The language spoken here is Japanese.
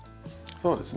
そうですね。